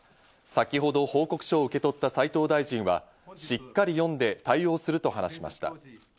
先ほど報告書を受け取った斉藤大臣はしっかり読んで対応すると話しました。